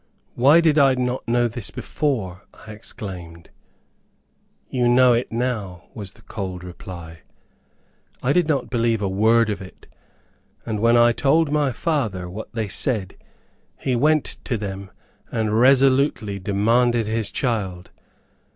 "Why did I not know this before? I exclaimed." "You know it now," was the cold reply. I did not believe a word of it, and when I told my father what they said, he went to them, and resolutely demanded his child.